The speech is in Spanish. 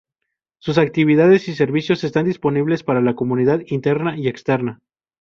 Sus actividades y servicios están disponibles para la comunidad interna y externa.